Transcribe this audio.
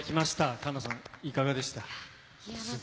環奈さん、いかがでしたか。